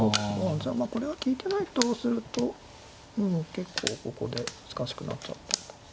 じゃあまあこれは利いてないとすると結構ここで難しくなっちゃった。